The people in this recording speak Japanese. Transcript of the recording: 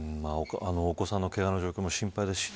お子さんのけがの状況も心配です。